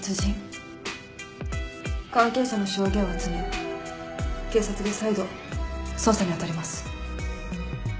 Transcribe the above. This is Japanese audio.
関係者の証言を集め警察で再度捜査に当たります。